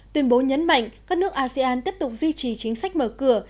tuyên bố nhấn mạnh các nước asean tiếp tục duy trì chính sách mở cửa